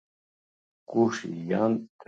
kush jan t ...